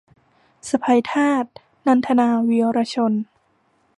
สะใภ้ทาส - นันทนา วีระชน